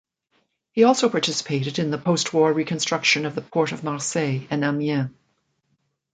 He also participated in the postwar reconstruction of the port of Marseille and Amiens.